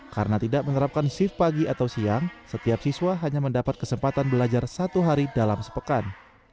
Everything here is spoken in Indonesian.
karena tidak menerapkan shift pagi atau siang setiap siswa hanya mendapat kesempatan belajar satu hari dalam sepekan